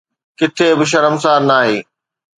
ڪٿي به شرمسار ناهي.